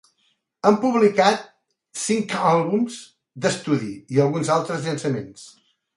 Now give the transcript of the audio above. Han publicat cinc àlbums d'estudi i alguns altres llançaments.